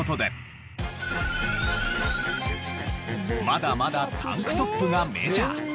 まだまだタンクトップがメジャー。